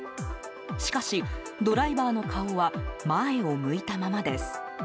しかし、ドライバーの顔は前を向いたままです。